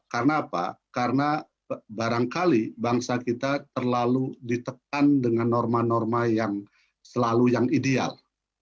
karena apa karena barangkali bangsa kita terlalu ditekan dengan norma norma yang selalu yang ideal